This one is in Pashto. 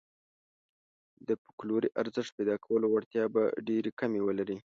د فوکلوري ارزښت پيدا کولو وړتیا به ډېرې کمې ولري.